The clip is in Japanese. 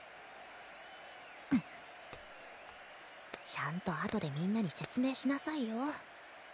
ちゃんとあとでみんなに説明しなさいよ。